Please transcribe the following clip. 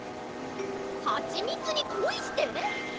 「はちみつにコイして」！？